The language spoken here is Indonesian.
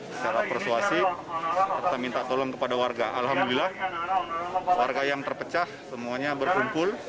secara persuasif kita minta tolong kepada warga alhamdulillah warga yang terpecah semuanya berkumpul